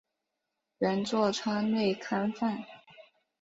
原作川内康范。